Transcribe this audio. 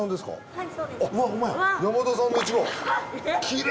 はい。